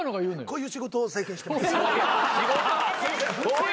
こういう仕事を最近してます。